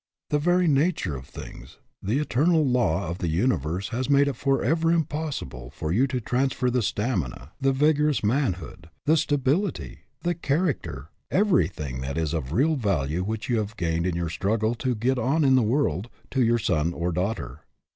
The very nature of things, the eternal law of the universe has made it forever impossible for you to transfer the stamina, the vigorous man DOES THE WORLD OWE YOU? 213 hood, the stability, the character, everything that is of real value which you have gained in your struggle to get on in the world, to your son or daughter.